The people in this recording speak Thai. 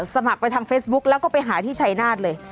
สมัครไปทางเฟซบุ๊กแล้วก็ไปหาที่ชายนาฏเลย